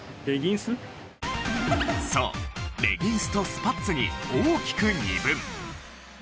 そうレギンスとスパッツに大きく二分。